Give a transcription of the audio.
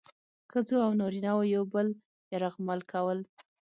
ښځو او نارینه وو یو بل یرغمل کول.